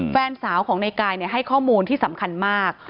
แฟนสาวของในกายให้ข้อมูลที่สำคัญมาก